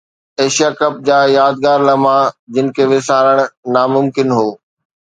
Asia cup جا يادگار لمحا جن کي وسارڻ ناممڪن هو